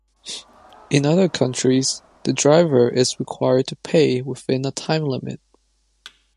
In other countries, the driver is required to pay within a time limit.